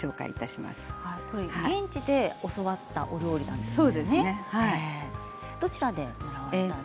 現地で教わったお料理なんですね。